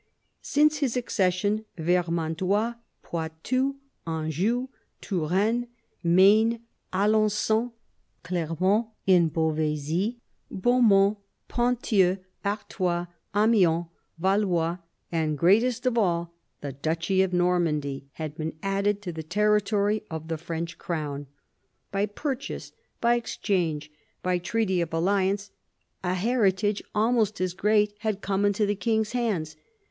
Since his accession Vermandois, Poitou, Anjou, Touraine, Maine, Alen<jon, Clermont in Beauvaisis, Beaumont, Ponthieu, Artois, Amiens, Valois, and, greatest of all, the duchy of Normandy, had been added to the territory of the French crown. By pur chase, by exchange, by treaty of alliance, a heritage almost as great had come into the king's hands.